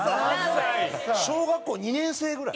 小学校２年生ぐらい？